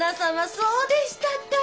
そうでしたか。